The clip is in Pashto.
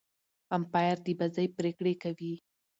امپاير د بازۍ پرېکړي کوي.